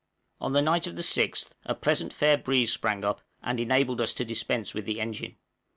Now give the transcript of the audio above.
_ On the night of the 6th a pleasant, fair breeze sprang up, and enabled us to dispense with the engine.